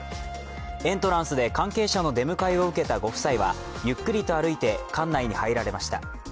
エントランスで関係者の出迎えを受けたご夫妻は、ゆっくりと歩いて館内に入られました。